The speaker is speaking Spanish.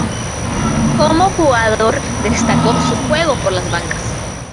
Como jugador destacó su juego por las bandas.